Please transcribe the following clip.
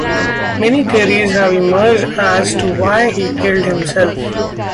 Many theories have emerged as to why he killed himself.